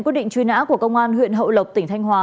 quyết định truy nã của công an huyện hậu lộc tỉnh thanh hóa